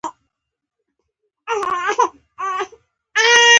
افغانستان تر هغو نه ابادیږي، ترڅو هوايي ډګرونه معیاري نشي.